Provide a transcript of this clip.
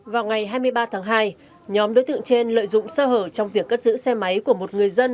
vào ngày hai mươi ba tháng hai nhóm đối tượng trên lợi dụng sơ hở trong việc cất giữ xe máy của một người dân